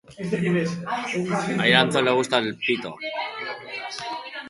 Atxilotuari dokumentuak faltsutzea, zerga iruzurra eta iruzurra egitea leporatzen diote.